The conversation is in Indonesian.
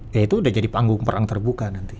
ya itu udah jadi panggung perang terbuka nanti